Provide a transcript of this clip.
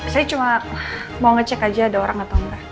saya cuma mau ngecek aja ada orang atau enggak